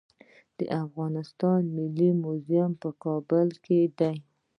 د افغانستان ملي موزیم په کابل کې دی